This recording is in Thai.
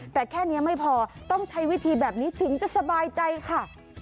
แต่แค่นี้ไม่พอต้องใช้วิธีแบบนี้ถึงจะสบายใจค่ะ